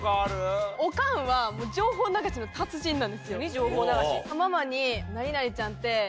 情報流し。